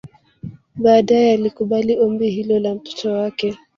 Baadaye alikubali ombi hilo la mtoto wake